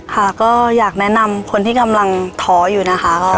ค่ะก็อยากแนะนำคนที่กำลังท้ออยู่นะคะ